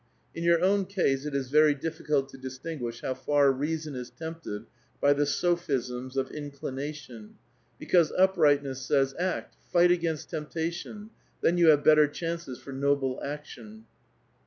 In your own case it is very difficult to distinguish how far reason is tempted by the sophisms of inclination, because uprightness says, act, fight against temptation, then you have better chances for noble action.